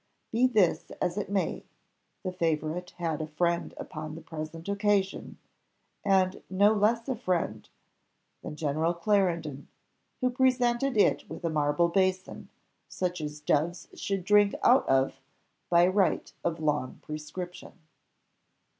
Be this as it may, the favourite had a friend upon the present occasion, and no less a friend than General Clarendon, who presented it with a marble basin, such as doves should drink out of, by right of long prescription.